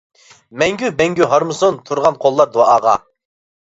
مەڭگۈ مەڭگۈ ھارمىسۇن، تۇرغان قوللار دۇئاغا!